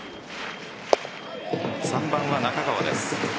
３番は中川です。